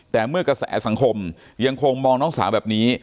แต่เมื่อกระแสสังคมยังคงมองน้องสาวแบบนี้